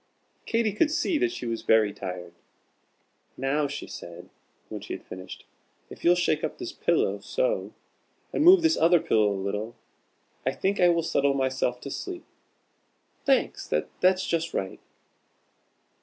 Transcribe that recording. Katy could see that she was very tired. "Now," she said, when she had finished, "if you'll shake up this pillow, so; and move this other pillow a little, I think I will settle myself to sleep. Thanks that's just right.